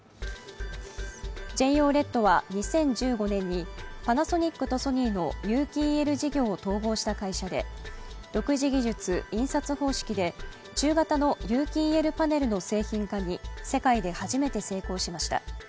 ＪＯＬＥＤは２０１５年にパナソニックとソニーの有機ＥＬ事業を統合した会社で独自技術、印刷方式で中型の有機ＥＬパネルの製品化に世界で初めて成功しました。